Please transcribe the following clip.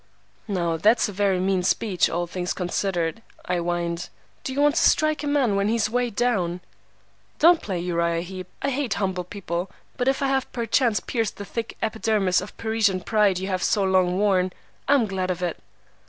"'Now that's a very mean speech, all things considered,' I whined. 'Do you want to strike a man, when he's way down?' "'Don't play Uriah Heep. I hate 'umble people. But if I have perchance pierced the thick epidermis of Parisian pride you have so long worn, I'm glad of it.